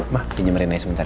ma pinjem rena sebentar ya